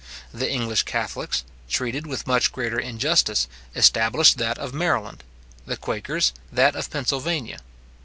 The English catholics, treated with much greater injustice, established that of Maryland; the quakers, that of Pennsylvania.